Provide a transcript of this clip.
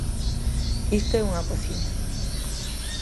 Isto é unha cociña.